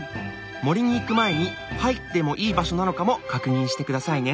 森に行く前に入ってもいい場所なのかも確認してくださいね。